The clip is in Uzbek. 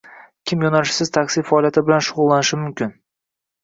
Kim yo‘nalishsiz taksi faoliyati bilan shug‘ullanishi mumkin?